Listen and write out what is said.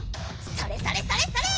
それそれそれそれ！